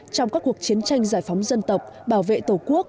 trong các cuộc chiến tranh giải phóng dân tộc bảo vệ tổ quốc